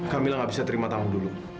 kamila gak bisa terima tamu dulu